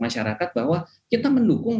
masyarakat bahwa kita mendukung